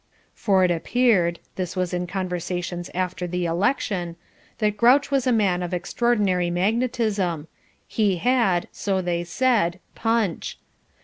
For it appeared this (was in conversations after the election) that Grouch was a man of extraordinary magnetism. He had, so they said, "punch."